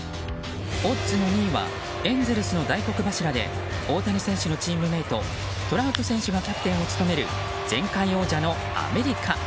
オッズの２位はエンゼルスの大黒柱で大谷選手のチームメートトラウト選手がキャプテンを務める前回王者のアメリカ。